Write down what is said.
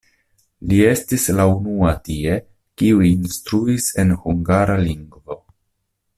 Li estis la unua tie, kiu instruis en hungara lingvo.